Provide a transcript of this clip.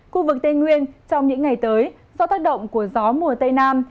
khu vực tây nguyên trong những ngày tới do tác động của gió mùa tây nam